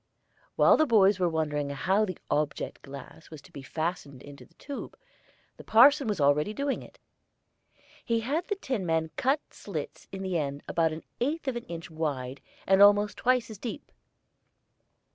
While the boys were wondering how the object glass was to be fastened into the tube, the parson was already doing it. He had the tinman cut slits in the end about an eighth of an inch wide and almost twice as deep.